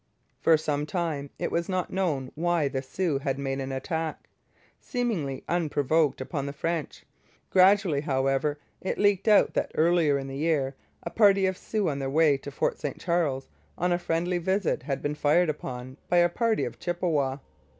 For some time it was not known why the Sioux had made an attack, seemingly unprovoked, upon the French. Gradually, however, it leaked out that earlier in the year a party of Sioux on their way to Fort St Charles on a friendly visit had been fired upon by a party of Chippewas.